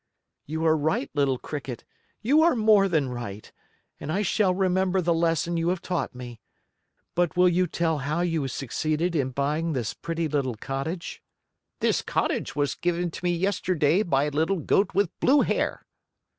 "You are right, little Cricket, you are more than right, and I shall remember the lesson you have taught me. But will you tell how you succeeded in buying this pretty little cottage?" "This cottage was given to me yesterday by a little Goat with blue hair."